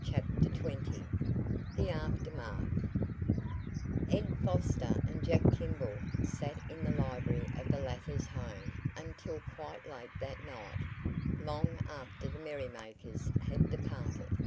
CHAPTER XX THE AFTERMATH Ed Foster and Jack Kimball sat in the library of the latter's home until quite late that night long after the merrymakers had departed.